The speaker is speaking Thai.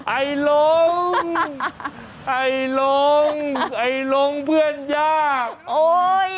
ไอลงไอลงไอลงเพื่อนยากโอ้ย